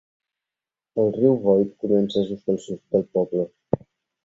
El riu Boyd comença just al sud del poble.